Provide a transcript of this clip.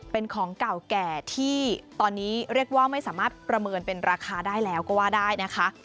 เป็นของเก่าแก่ที่ตอนนี้เรียกว่าไม่สามารถประเมินเป็นราคาได้แล้วก็ว่าได้นะคะ